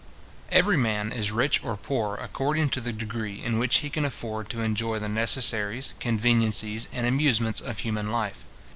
Every man is rich or poor according to the degree in which he can afford to enjoy the necessaries, conveniencies, and amusements of human life.